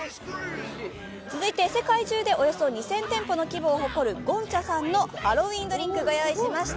続いて、世界中でおよそ２０００店舗の規模を誇るゴンチャさんのハロウィーンドリンクを用意しました。